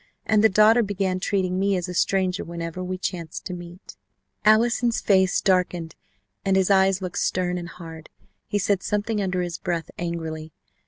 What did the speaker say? And the daughter began treating me as a stranger whenever we chanced to meet " Allison's face darkened and his eyes looked stern and hard. He said something under his breath angrily.